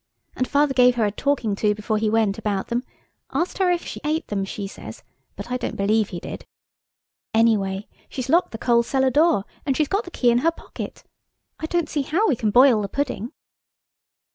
And Father gave her a talking to before he went about them–asked her if she ate them, she says–but I don't believe he did. Anyway, she's locked the coal cellar door, and she's got the key in her pocket. I don't see how we can boil the pudding."